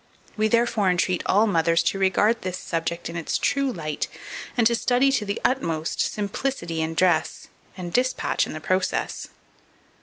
We, therefore, entreat all mothers to regard this subject in its true light, and study to the utmost, simplicity in dress, and dispatch in the process.